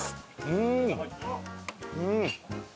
うん！